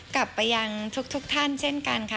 กลับไปยังทุกท่านเช่นกันค่ะ